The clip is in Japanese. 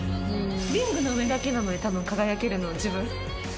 リングの上だけなので多分輝けるの自分。